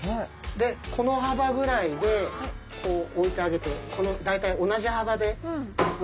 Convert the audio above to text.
でこのはばぐらいでこう置いてあげて大体同じはばでまた切ってあげる。